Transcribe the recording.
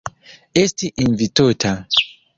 Esti invitota.